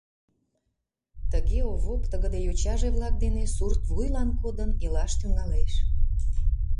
Тыге Овоп тыгыде йочаже-влак дене сурт вуйлан кодын илаш тӱҥалеш.